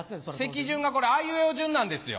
席順がこれ「あいうえお」順なんですよ。